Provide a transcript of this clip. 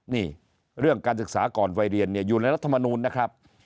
นี่เรื่องการศึกษาก่อนวัยเรียนเนี่ยอยู่ในรัฐมนูลนะครับ